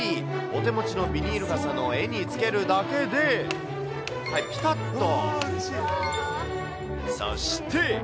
お手持ちのビニール傘の柄につけるだけで、ぴたっと。